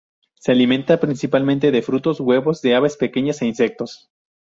Se alimenta principalmente de frutos, huevos de aves pequeñas e insectos.